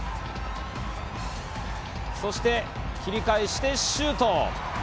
そして切り返してシュート！